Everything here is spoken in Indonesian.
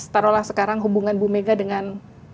taruhlah sekarang hubungan bu mega dengan